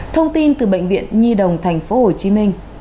thông tin từ bệnh viện nhi đồng tp hcm